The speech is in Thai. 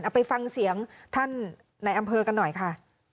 ไปฟังเสียงท่านในอำเภอกันหน่อยค่ะ